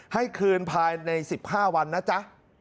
ให้คืนภายใน๑๕วันนะจ๊ะ